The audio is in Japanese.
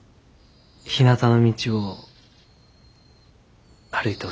ひなたの道を歩いてほしい。